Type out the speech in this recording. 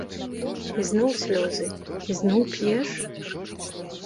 Ізноў слёзы, ізноў п'еш?